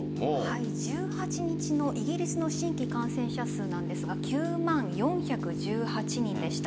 １８日のイギリスの新規感染者数なんですが９万４１８人でした。